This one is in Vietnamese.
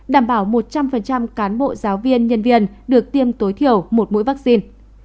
đảm bảo một trăm linh cán bộ giáo viên nhân viên được tiêm tối thiểu một mũi vaccine